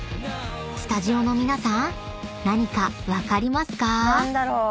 ［スタジオの皆さん何か分かりますか？］